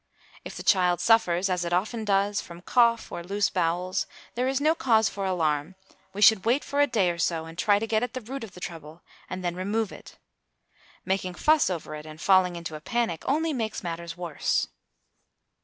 If the child suffers, as it often does, from cough or loose bowels, there is no cause for alarm; we should wait for a day or so, and try to get at the root of the trouble, and then remove it. Making fuss over it and falling into a panic only makes matters worse.